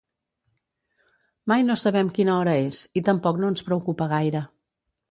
Mai no sabem quina hora és, i tampoc no ens preocupa gaire.